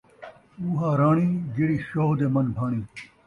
اُوہا راݨی، جیڑھی شوہ دے من بھاݨی